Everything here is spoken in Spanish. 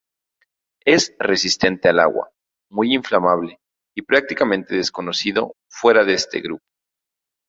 Es resistente al agua, muy inflamable, y prácticamente desconocido fuera de este grupo.